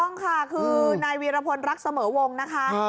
ต้องค่ะคือนายวีรพลรักเสมอวงนะคะ